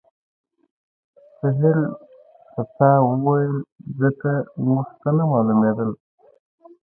سهېل ته تاوېدل، ځکه نو موږ ته نه معلومېدل.